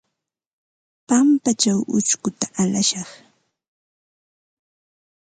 Pampaćhaw ućhkuta alashaq.